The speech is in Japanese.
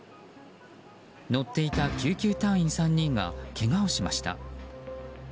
乗っていた救急隊員３人がけがをしました。